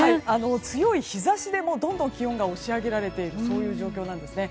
強い日差しでどんどんと気温が押し上げられている状況です。